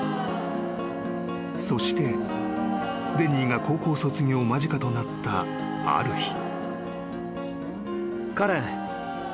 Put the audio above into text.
［そしてデニーが高校卒業間近となったある日］